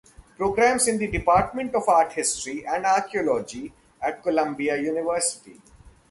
Programs in the Department of Art History and Archaeology at Columbia University.